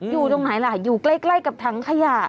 อยู่ตรงไหนล่ะอยู่ใกล้กับถังขยะ